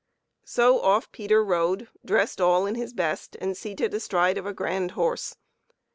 So off Peter rode, dressed all in his best and seated astride of a grand horse.